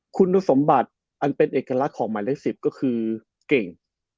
คุณสมบัติอันเป็นเอกลักษณ์ของหมายเลข๑๐ก็คือเก่ง